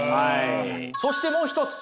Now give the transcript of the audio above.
そしてもう一つ